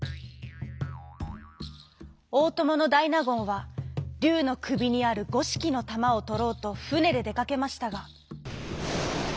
おおとものだいなごんはりゅうのくびにあるごしきのたまをとろうとふねででかけましたが。